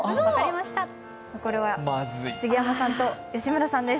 まずいこれは杉山さんと吉村さんです。